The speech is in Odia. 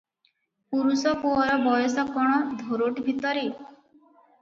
ପୁରୁଷ ପୁଅର ବୟସ କଣ ଧରୋଟ ଭିତରେ?